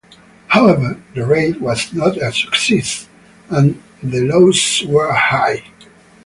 However, the raid was not a success, and the losses were high.